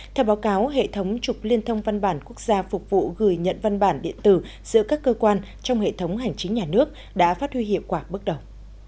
theo báo cáo hệ thống trục liên thông văn bản quốc gia phục vụ gửi nhận văn bản điện tử giữa các cơ quan trong hệ thống hành chính nhà nước đã phát huy hiệu quả bước đầu